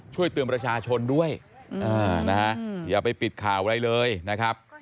ช่วยเตือนประชาชนด้วยอย่าไปปิดข่าวอะไรเลยนะครับ